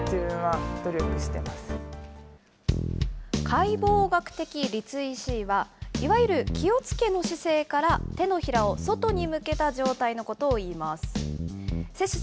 解剖学的立位肢位は、いわゆる気をつけの姿勢から、手のひらを外に向けた状態のことをいいます。